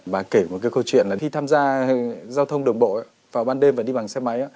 và kể một cái câu chuyện là khi tham gia giao thông đường bộ vào ban đêm và đi bằng xe máy á